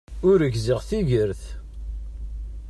Ur gziɣ tigert.